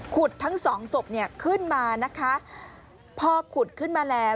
ทั้งสองศพเนี่ยขึ้นมานะคะพอขุดขึ้นมาแล้ว